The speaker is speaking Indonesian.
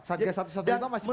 satu satu satu itu masih perlu